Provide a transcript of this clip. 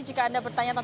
jika anda bertanya tanya